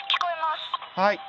はい。